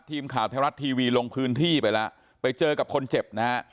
ทีมข่าวไทยรัฐทีวีลงพื้นที่ไปแล้วไปเจอกับคนเจ็บนะฮะ